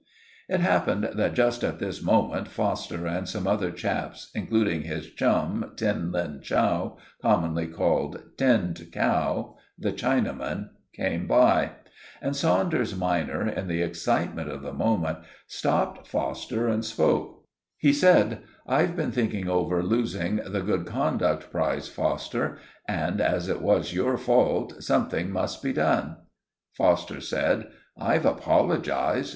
It happened that just at this moment Foster and some other chaps, including his chum, Tin Lin Chow—commonly called 'Tinned Cow'—the Chinaman, came by, and Saunders minor, in the excitement of the moment, stopped Foster and spoke— He said, "I've been thinking over losing the Good Conduct Prize, Foster; and as it was your fault, something must be done." Foster said, "I've apologized.